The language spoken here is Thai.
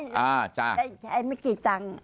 ได้ใช้ไม่กี่ตังค์